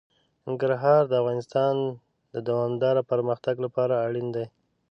ننګرهار د افغانستان د دوامداره پرمختګ لپاره اړین دي.